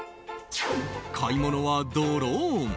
買い物はドローン。